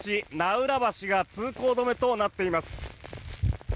うら橋が通行止めとなっています。